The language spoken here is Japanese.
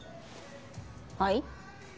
はい？